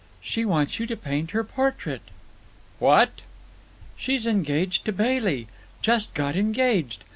She wants you to paint her portrait!" "What!" "She's engaged to Bailey! Just got engaged!